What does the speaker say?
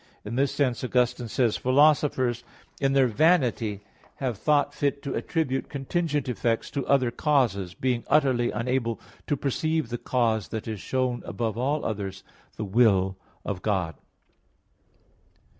In this sense Augustine says (De Trin. iii, 2): "Philosophers in their vanity have thought fit to attribute contingent effects to other causes, being utterly unable to perceive the cause that is shown above all others, the will of God."